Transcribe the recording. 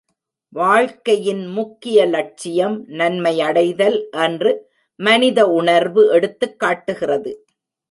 வாழ்க்கையின் முக்கிய லட்சியம் நன்மையடைதல் என்று மனித உணர்வு எடுத்துக் காட்டுகிறது.